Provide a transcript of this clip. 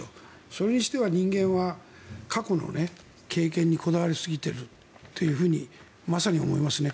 それにしては人間は過去の経験にこだわりすぎているというふうにまさに思いますね。